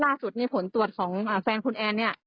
ล่าสสุดในผลตรวจของแฟนคุณแอนนี่